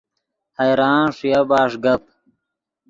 حیران ݰویا بݰ گپ